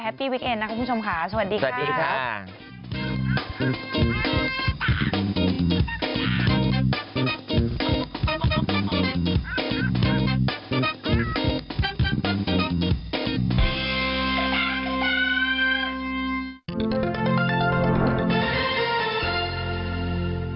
ปี้วิกเอ็นนะคะคุณผู้ชมค่ะสวัสดีค่ะ